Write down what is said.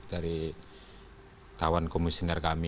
dari kawan komisioner kami